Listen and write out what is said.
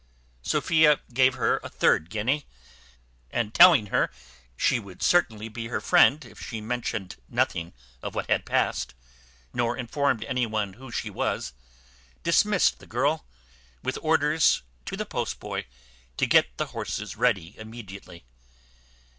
Sophia gave her a third guinea, and, telling her she would certainly be her friend if she mentioned nothing of what had passed, nor informed any one who she was, dismissed the girl, with orders to the post boy to get the horses ready immediately.